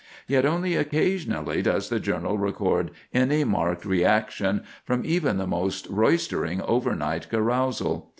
Yet only occasionally does the journal record any marked reaction from even the most roistering overnight carousal.